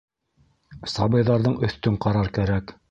Сабыйҙарҙың өҫтөн ҡарар кәрәк.